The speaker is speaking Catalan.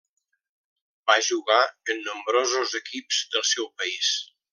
Va jugar en nombrosos equips del seu país.